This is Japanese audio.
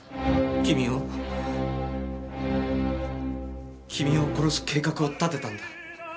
君を君を殺す計画を立てたんだ。